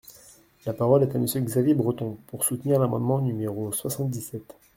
La parole est à Monsieur Xavier Breton, pour soutenir l’amendement numéro soixante-dix-sept.